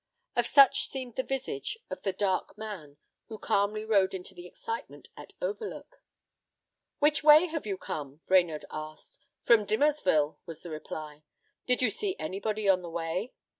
Of such seemed the visage of the dark man, who calmly rode into the excitement at Overlook. "Which way have you come?" Brainerd asked. "From Dimmersville," was the reply. "Did you see anybody on the way?"